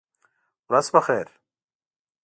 ورځ په خیر !